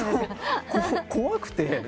怖くて。